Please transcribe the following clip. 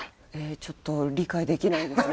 ちょっと理解できないですね